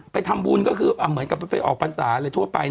ไปทำบุญก็คือเหมือนกับไปออกพรรษาอะไรทั่วไป